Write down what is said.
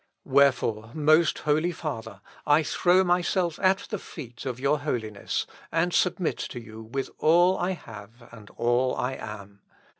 "Wherefore, most Holy Father, I throw myself at the feet of your Holiness, and submit to you with all I have, and all I am.